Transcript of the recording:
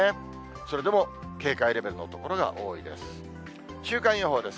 それでも警戒レベルの所が多いです。